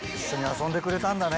遊んでくれたんだね。